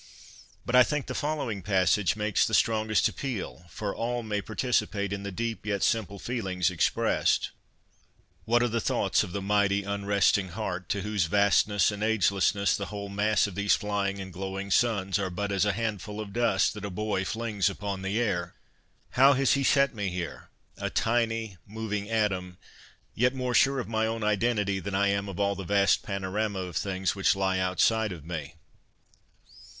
But I think the following passage makes the strongest appeal, for all may participate in the deep yet simple feelings expressed :" What are the thoughts of the mighty unresting heart, to whose vastness and agelessness the whole mass of these flying and glowing suns are but as a handful of dust that a boy flings upon the air ? How has He set me here, a tiny moving atom, yet more sure of my own identity than I am of all the vast panorama of things which lie outside of me